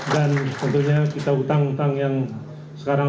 dan tentunya kita hutang hutang yang sekarang